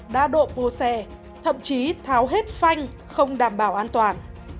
đa độ pô xe thậm chí tháo hết phanh không đảm bảo an toàn